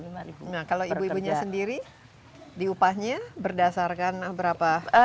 nah kalau ibu ibunya sendiri diupahnya berdasarkan berapa